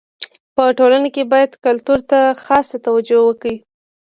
په ټولنه کي باید کلتور ته خاصه توجو وکړي.